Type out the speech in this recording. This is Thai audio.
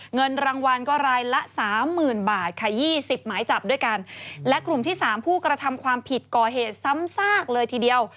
เงินรางวัลก็รายละสามหมื่นบาทค่ะยี่สิบหมายจับด้วยกันและกลุ่มที่สามผู้กระทำความผิดก่อเหตุซ้ำซากเลยทีเดียว